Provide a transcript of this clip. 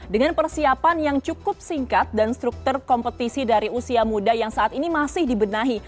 dengan persiapan yang cukup singkat dan struktur kompetisi dari usia muda yang saat ini masih dibenahi